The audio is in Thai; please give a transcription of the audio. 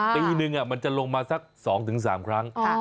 ปีนึงมันจะลงมาสักสองถึงสามครั้ง